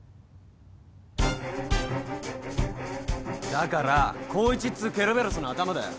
だから光一っつうケルベロスのアタマだよ。